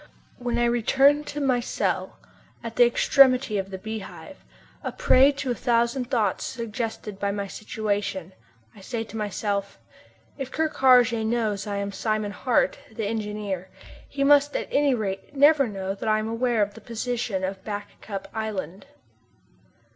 When I return to my cell, at the extremity of the Beehive, a prey to a thousand thoughts suggested by my situation, I say to myself: "If Ker Karraje knows I am Simon Hart, the engineer, he must at any rate never know that I am aware of the position of Back Cup Island."